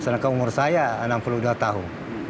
sedangkan umur saya enam puluh dua tahun